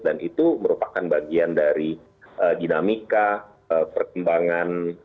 dan itu merupakan bagian dari dinamika perkembangan